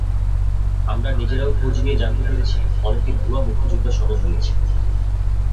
আমরা নিজেরাও খোঁজ নিয়ে জানতে পেরেছি, অনেকে ভুয়া মুক্তিযোদ্ধা সনদ নিয়েছেন।